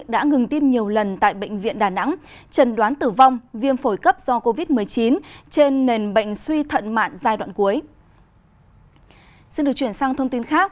đã ngừng tiêm nhiều lần tại bệnh viện đà nẵng trần đoán tử vong viêm phổi cấp do covid một mươi chín trên nền bệnh suy thận mạng giai đoạn cuối